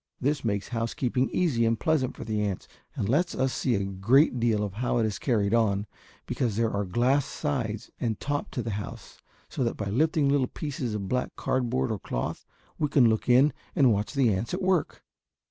This makes housekeeping easy and pleasant for the ants, and lets us see a great deal of how it is carried on, because there are glass sides and top to the house, so that by lifting little pieces of black cardboard or cloth we can look in and watch the ants at work.